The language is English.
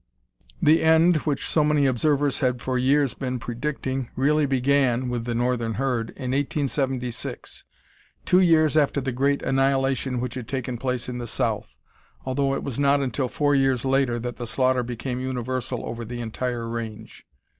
The end which so many observers had for years been predicting really began (with the northern herd) in 1876, two years after the great annihilation which had taken place in the South, although it was not until four years later that the slaughter became universal over the entire range.